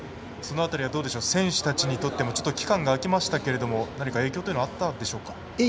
その辺りは選手たちにとっても期間が開きましたけれども何か影響というのはあったんでしょうか？